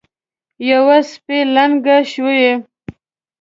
یوه سپۍ لنګه شوې.